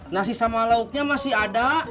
nasi sama lauknya masih ada